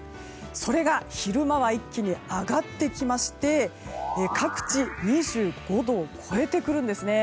それが、昼間は一気に上がってきまして各地２５度を超えてくるんです。